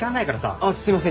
あっすいません。